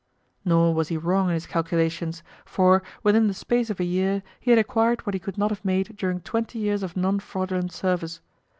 Nor was he wrong in his calculations, for, within the space of a year, he had acquired what he could not have made during twenty years of non fraudulent service.